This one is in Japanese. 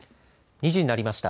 ２時になりました。